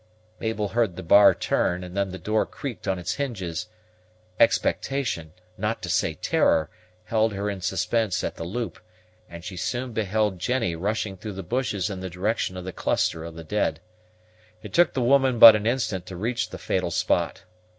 Mabel heard the bar turn, and then the door creaked on its hinges. Expectation, not to say terror, held her in suspense at the loop, and she soon beheld Jennie rushing through the bushes in the direction of the cluster of the dead. It took the woman but an instant to reach the fatal spot.